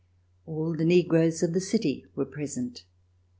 All the negroes of the city were present.